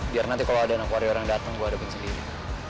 biar nanti kalau ada anak warior yang datang gue ada bersendiri